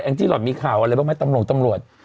แอล็คที่หลอดมีข่าวอะไรเปล่าไม่ต้องลงตำรวจ